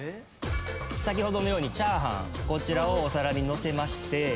先ほどのように炒飯こちらをお皿に載せまして。